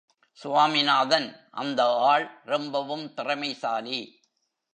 சுவாமிநாதன் அந்த ஆள் ரொம்பவும் திறமைசாலி!